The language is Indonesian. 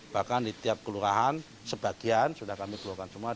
bahkan di tiap kelurahan sebagian sudah kami keluarkan semua